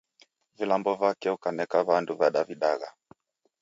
Vilambo vake ukaneka W'andu wadavidagha.